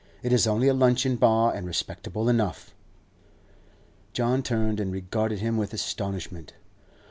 It is only a luncheon bar, and respectable enough.' John turned and regarded him with astonishment.